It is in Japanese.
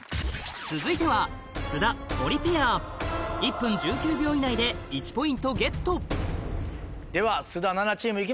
続いては１分１９秒以内で１ポイントゲットでは菅田・七菜チームいきましょう。